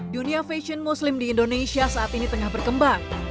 dunia fashion muslim di indonesia saat ini tengah berkembang